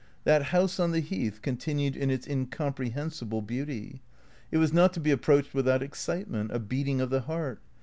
That house on the Heath continued in its incomprehensible beauty. It was not to be approached without excitement, a beating of the heart.